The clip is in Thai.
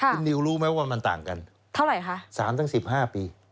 คุณนิวรู้ไหมว่ามันต่างกันเท่าไหร่คะ๓๑๕ปี